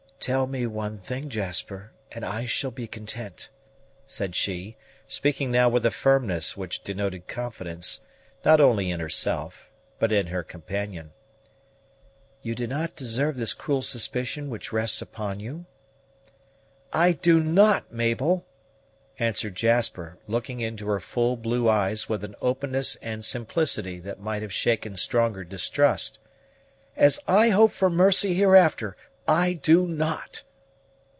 "Tell me one thing, Jasper, and I shall be content," said she, speaking now with a firmness which denoted confidence, not only in herself, but in her companion: "you do not deserve this cruel suspicion which rests upon you?" "I do not, Mabel!" answered Jasper, looking into her full blue eyes with an openness and simplicity that might have shaken stronger distrust. "As I hope for mercy hereafter, I do not!"